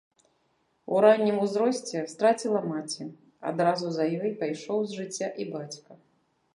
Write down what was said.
У раннім узросце страціла маці, адразу за ёй пайшоў з жыцця і бацька.